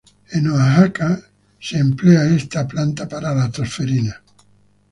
En Oaxaca esta planta se emplea para la tos ferina.